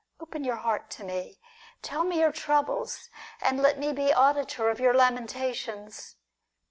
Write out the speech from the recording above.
Open your heart to me. Tell me your troubles, and let me be auditor of your lamentations.